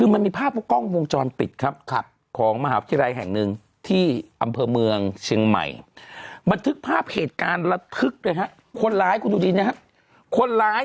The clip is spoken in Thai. มันทึกภาพเหตุการละทึกนะฮะคนร้ายคุณดูดินะฮะคนร้าย